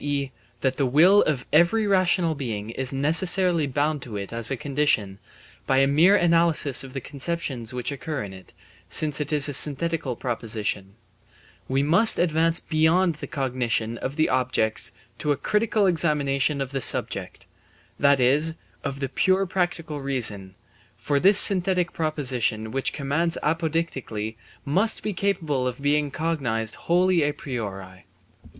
e., that the will of every rational being is necessarily bound to it as a condition, by a mere analysis of the conceptions which occur in it, since it is a synthetical proposition; we must advance beyond the cognition of the objects to a critical examination of the subject, that is, of the pure practical reason, for this synthetic proposition which commands apodeictically must be capable of being cognized wholly a priori.